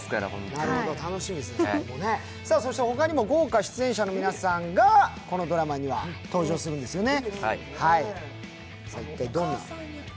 他にも豪華出演者の皆さんがこのドラマには登場するんですよね。